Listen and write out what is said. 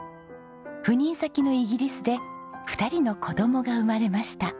赴任先のイギリスで２人の子供が生まれました。